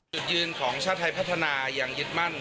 จุดยืนของชาติไทยพัฒนายังยึดมั่น